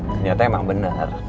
ternyata emang benar